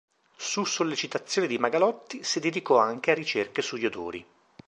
Su sollecitazione di Magalotti, si dedicò anche a ricerche sugli odori.